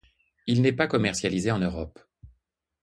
Il n'est pas commercialisé en Europe.